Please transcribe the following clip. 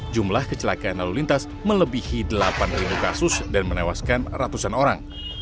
jumlah kecelakaan lalu lintas melebihi delapan kasus dan menewaskan ratusan orang